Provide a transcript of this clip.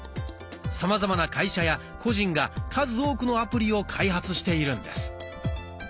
さまざまな会社や個人が数多くのアプリを開発しているんです。